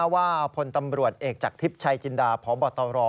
ว่าพลตำรวจเอกจากทิพย์ชัยจินดาพบตร